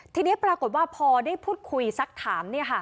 ทีนี้ปรากฏว่าพอได้พูดคุยซักถามเนี่ยค่ะ